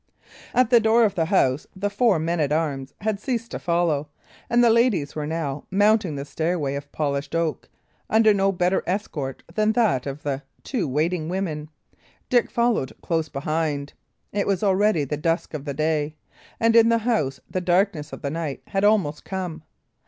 At the door of the house the four men at arms had ceased to follow, and the ladies were now mounting the stairway of polished oak, under no better escort than that of the two waiting women. Dick followed close behind. It was already the dusk of the day; and in the house the darkness of the night had almost come.